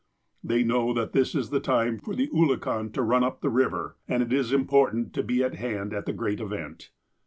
They know that this is the time for the oolakan to run up the river, and it is important to be at hand at the great event.